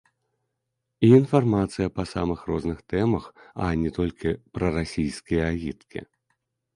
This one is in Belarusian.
І інфармацыя па самых розных тэмах, а не толькі прарасійскія агіткі.